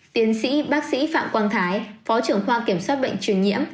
tiến sĩ bác sĩ phạm quang thái phó trưởng khoa kiểm soát bệnh truyền nhiễm